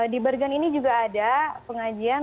di bergen ini juga ada pengajian